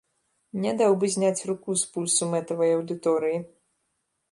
Не даў бы зняць руку з пульсу мэтавай аўдыторыі.